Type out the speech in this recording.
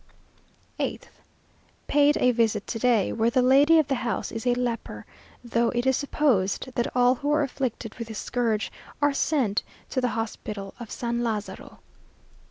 8th. Paid a visit to day, where the lady of the house is a leper; though it is supposed that all who are afflicted with this scourge are sent to the hospital of San Lazaro....